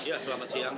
iya selamat siang